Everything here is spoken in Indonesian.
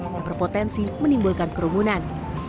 yang berpotensi menimbulkan kerumunan